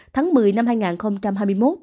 tháng một mươi năm hai nghìn hai mươi một